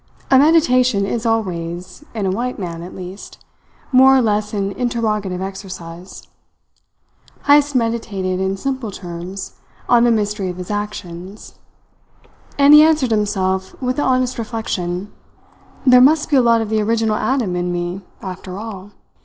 A meditation is always in a white man, at least more or less an interrogative exercise. Heyst meditated in simple terms on the mystery of his actions; and he answered himself with the honest reflection: "There must be a lot of the original Adam in me, after all."